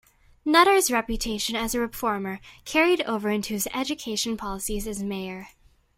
Nutter's reputation as a reformer carried over into his education policies as mayor.